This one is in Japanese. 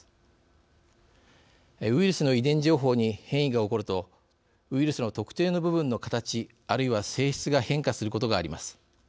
ウイルスの遺伝情報に変異が起こるとウイルスの特定の部分の形あるいは性質が変化することがあります。